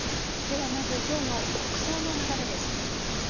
ではまず今日の国葬の流れです。